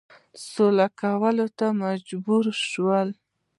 سولي کولو ته مجبور شو.